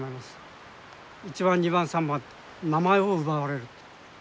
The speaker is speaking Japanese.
１番２番３番と名前を奪われる。